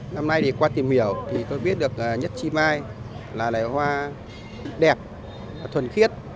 năm nay qua tìm hiểu thì tôi biết được nhất chi mai là loài hoa đẹp thuần khiết